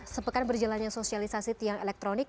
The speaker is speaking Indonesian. sepekan berjalannya sosialisasi tiang elektronik